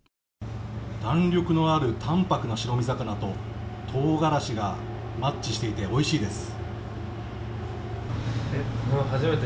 弾力のある淡泊な白身魚と唐辛子がマッチしていておいしいです。